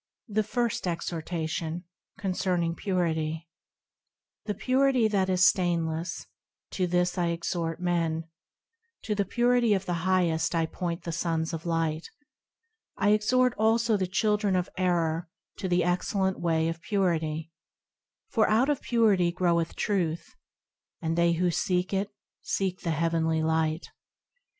The First Exhortation, concerning Purity THE Purity that is stainless, To this I exhort men ; To the Purity of the Highest I point the Sons of Light. I exhort also the children of error to the excellent Way of Purity ; For out of Purity groweth Truth, And they who seek it, seek the heavenly Light.